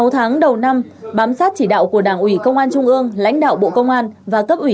sáu tháng đầu năm bám sát chỉ đạo của đảng ủy công an trung ương lãnh đạo bộ công an và cấp ủy